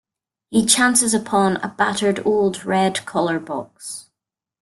He chances upon a battered old red collar box.